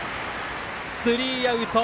スリーアウト。